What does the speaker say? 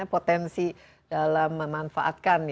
jadi potensi dalam memanfaatkan